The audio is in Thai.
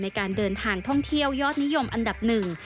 ในการเดินทางท่องเที่ยวยอดนิยมอันดับหนึ่ง